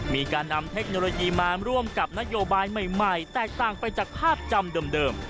มีการนำเทคโนโลยีมาร่วมกับนโยบายใหม่แตกต่างไปจากภาพจำเดิม